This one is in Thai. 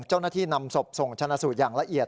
เจ้าหน้าที่นำศพส่งชนะสูตรอย่างละเอียด